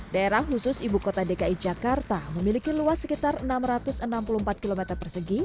daerah khusus ibu kota dki jakarta memiliki luas sekitar enam ratus enam puluh empat km persegi